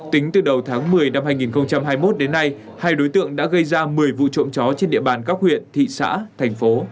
tính từ đầu tháng một mươi năm hai nghìn hai mươi một đến nay hai đối tượng đã gây ra một mươi vụ trộm chó trên địa bàn các huyện thị xã thành phố